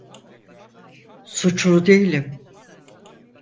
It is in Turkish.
Suçlu değilim.